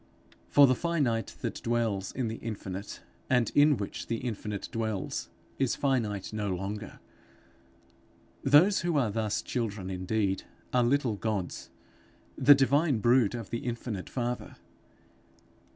For the finite that dwells in the infinite and in which the infinite dwells, is finite no longer. Those who are thus children indeed, are little Gods, the divine brood of the infinite Father.